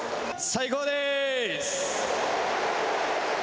最高です。